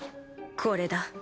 これだ。